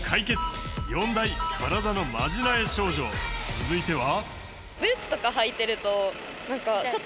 続いては。